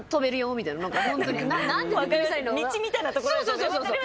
そうそうそうそう。